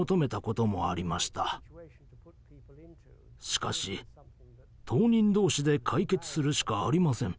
しかし当人同士で解決するしかありません。